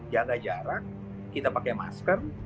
jaga jarak kita pakai masker